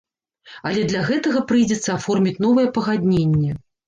Але для гэтага прыйдзецца аформіць новае пагадненне.